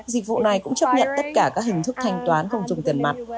dịch vụ này cũng chấp nhận tất cả các hình thức thanh toán không dùng tiền mặt